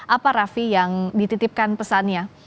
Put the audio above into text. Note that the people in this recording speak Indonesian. apa raffi yang dititipkan pesannya